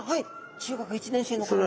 中学１年生の頃に。